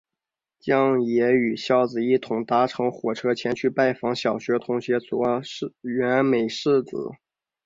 将也与硝子一同搭乘火车前去拜访小学同学佐原美世子。